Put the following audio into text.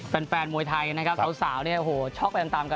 แฟนมวยไทยน้องสาวช็อคยะต่ำกัน